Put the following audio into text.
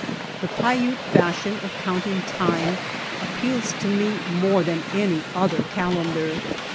The Paiute fashion of counting time appeals to me more than any other calendar.